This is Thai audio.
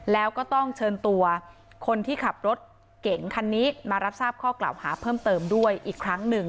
แล้วก็ต้องเชิญตัวคนที่ขับรถเก่งคันนี้มารับทราบข้อกล่าวหาเพิ่มเติมด้วยอีกครั้งหนึ่ง